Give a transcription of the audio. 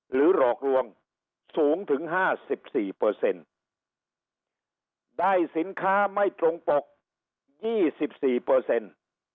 หลอกลวงสูงถึงห้าสิบสี่เปอร์เซ็นต์ได้สินค้าไม่ตรงปกยี่สิบสี่เปอร์เซ็นต์